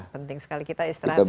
penting sekali kita istirahat